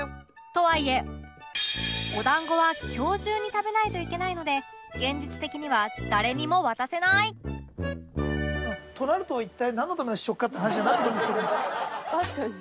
とはいえお団子は今日中に食べないといけないので現実的には誰にも渡せないとなると一体なんのための試食かって話にはなってくるんですけども。